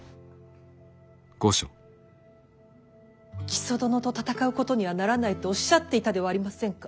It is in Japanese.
木曽殿と戦うことにはならないとおっしゃっていたではありませんか。